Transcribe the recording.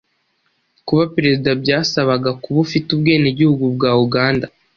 Kuba Perezida byasabaga kuba ufite ubwenegihugu bwa Uganda